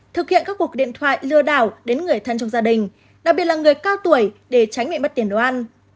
thực hiện các cuộc điện thoại lừa đảo đến người thân trong gia đình đặc biệt là người cao tuổi để tránh bị mất tiền đồ ăn